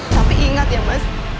tapi ingat ya mas